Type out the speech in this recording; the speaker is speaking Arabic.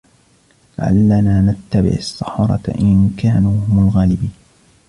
لعلنا نتبع السحرة إن كانوا هم الغالبين